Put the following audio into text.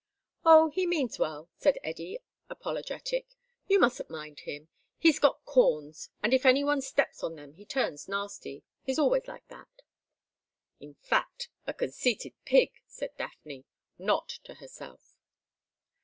"Oh, he means well," said Eddy apologetic. "You mustn't mind him. He's got corns, and if anyone steps on them he turns nasty. He's always like that." "In fact, a conceited pig," said Daphne, not to herself.